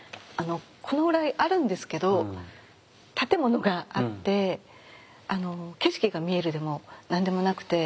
このぐらいあるんですけど建物があって景色が見えるでも何でもなくて。